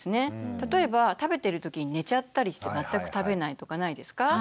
例えば食べてる時に寝ちゃったりして全く食べないとかないですか？